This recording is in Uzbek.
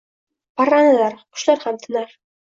Parrandalar, qushlar ham tinar…